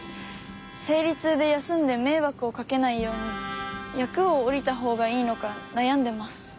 せいりつうでやすんでめいわくをかけないようにやくをおりたほうがいいのかなやんでます。